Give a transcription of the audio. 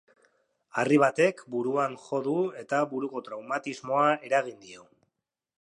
Harri batek buruan jo du eta buruko traumatismoa eragin dio.